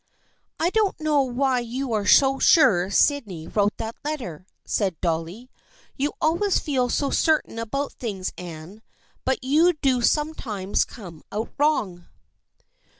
" I don't know why you are so sure Sydney wrote that letter," said Dolly. " You always feel so certain about things, Anne, but you do some times come out wrong."